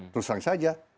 terus langsung saja